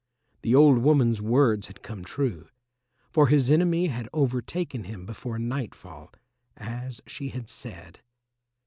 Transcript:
The old woman's words had come true, for his enemy had overtaken him before nightfall, as she had said.